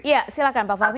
iya silakan pak fahmi